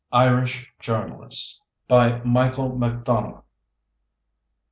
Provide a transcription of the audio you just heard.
IRISH JOURNALISTS By MICHAEL MACDONAGH.